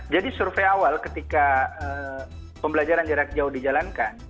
jadi survei awal ketika pembelajaran jarak jauh dijalankan